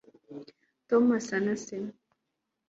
tom asa na se